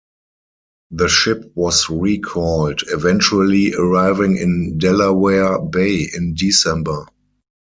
The ship was recalled, eventually arriving in Delaware Bay in December.